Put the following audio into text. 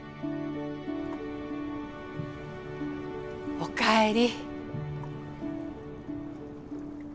おかえり。